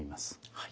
はい。